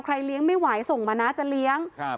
เลี้ยงไม่ไหวส่งมานะจะเลี้ยงครับ